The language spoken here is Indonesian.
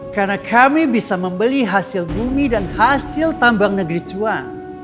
karena kami bisa membeli hasil bumi dan hasil tambang negeri cuan